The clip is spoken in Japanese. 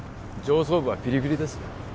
上層部はピリピリです